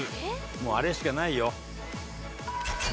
もうあれしかないじゃん。